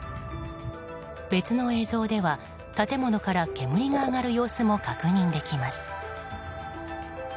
別の映像では建物から煙が上がる様子も確認出来ます。